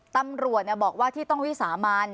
ตำรวจบอกว่าที่ต้องวิสามัน